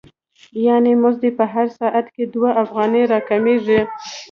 یانې مزد یې په هر ساعت کې دوه افغانۍ را کمېږي